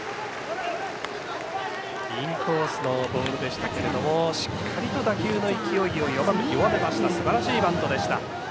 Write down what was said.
インコースのボールでしたけれどしっかりと打球の勢いを弱めたすばらしいバントでした。